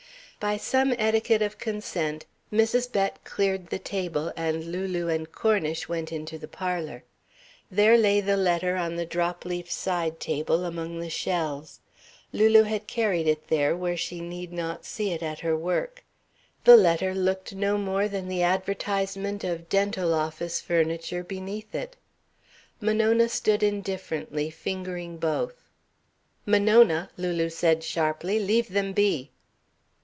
By some etiquette of consent, Mrs. Bett cleared the table and Lulu and Cornish went into the parlour. There lay the letter on the drop leaf side table, among the shells. Lulu had carried it there, where she need not see it at her work. The letter looked no more than the advertisement of dental office furniture beneath it. Monona stood indifferently fingering both. "Monona," Lulu said sharply, "leave them be!"